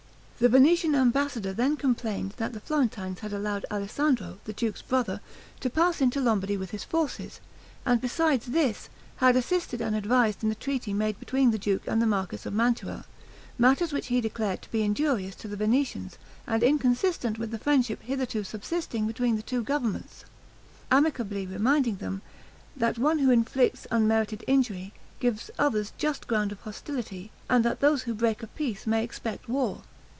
The Venetian ambassador then complained that the Florentines had allowed Alessandro, the duke's brother, to pass into Lombardy with his forces; and besides this, had assisted and advised in the treaty made between the duke and the marquis of Mantua, matters which he declared to be injurious to the Venetians, and inconsistent with the friendship hitherto subsisting between the two governments; amicably reminding them, that one who inflicts unmerited injury, gives others just ground of hostility, and that those who break a peace may expect war.